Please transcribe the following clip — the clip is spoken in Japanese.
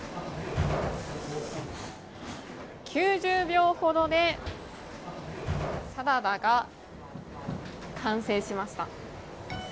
９０秒ほどでサラダが完成しました。